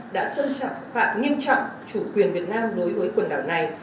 đã xâm phạm nghiêm trọng chủ quyền việt nam đối với quần đảo này